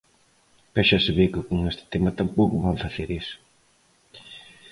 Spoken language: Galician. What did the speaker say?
Pero xa se ve que con este tema tampouco van facer iso.